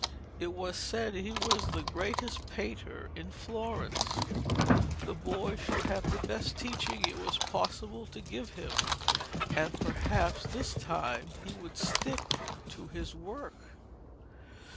It was said he was the greatest painter in Florence. The boy should have the best teaching it was possible to give him, and perhaps this time he would stick to his work.